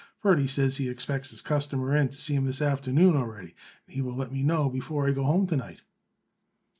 Ferdy says he expects his customer in to see him this afternoon, already, and he will let me know before I go home to night."